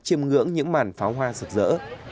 chìm ngưỡng những màn pháo hoa rực rỡ